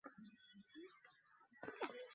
Iceman একটা phone করে, আর তোমার সাজা মাফ হয়ে যায়।